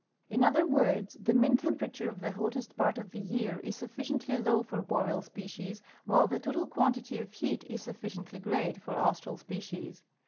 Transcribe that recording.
In other words, the mean temperature of the hottest part of the year is sufficiently low for Boreal species, while the total quantity of heat is sufficiently great for Austral species.